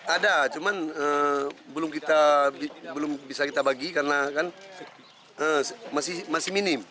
ada cuman belum bisa kita bagi karena kan masih minim